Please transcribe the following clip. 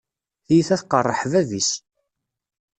Tiyita tqeṛṛeḥ bab-is.